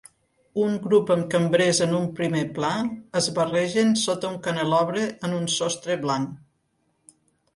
Un grup amb cambrers en un primer pla, es barregen sota un canelobre en un sostre blanc.